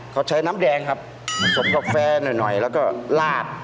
เขาใช้น้ำแดงครับผสมกาแฟหน่อยแล้วก็ลาด